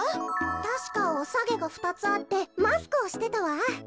たしかおさげがふたつあってマスクをしてたわ。